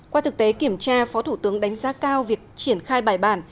qua thực tế kiểm tra phó thủ tướng đánh giá cao việc triển khai bài bản